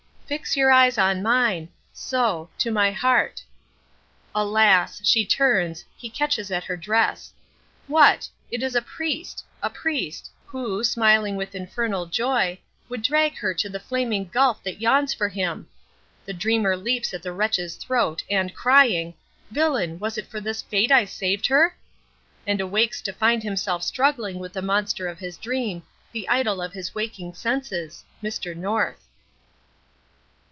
Fix your eyes on mine so to my heart! Alas! she turns; he catches at her dress. What! It is a priest a priest who, smiling with infernal joy, would drag her to the flaming gulf that yawns for him. The dreamer leaps at the wretch's throat, and crying, "Villain, was it for this fate I saved her?" and awakes to find himself struggling with the monster of his dream, the idol of his waking senses "Mr. North."